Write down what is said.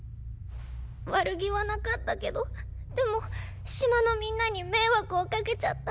悪気はなかったけどでも島のみんなに迷惑をかけちゃった。